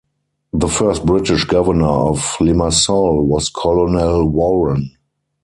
The first British governor of Limassol was Colonel Warren.